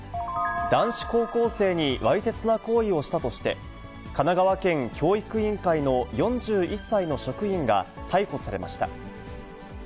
男子高校生にわいせつな行為をしたとして、神奈川県教育委員会の４１歳の職員が逮捕されました。